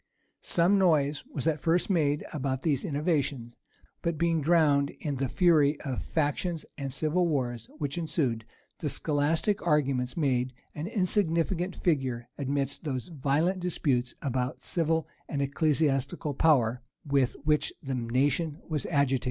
Some noise was at first made about these innovations; but being drowned in the fury of factions and civil wars which ensued, the scholastic arguments made an insignificant figure amidst those violent disputes about civil and ecclesiastical power with which the nation was agitated.